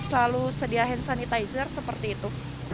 selalu sedia hand sanitizer seperti itu